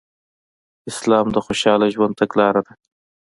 اسلام د خوشحاله ژوند تګلاره ده